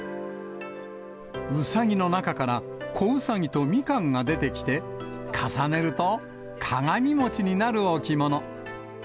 うさぎの中から子うさぎとみかんが出てきて、重ねると、鏡餅になる置物。